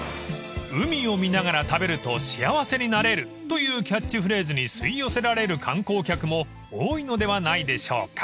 ［「海を見ながら食べると幸せになれる」というキャッチフレーズに吸い寄せられる観光客も多いのではないでしょうか？］